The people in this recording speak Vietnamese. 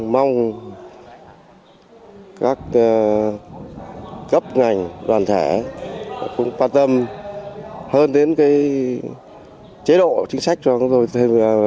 mong các cấp ngành đoàn thể cũng quan tâm hơn đến cái chế độ chính sách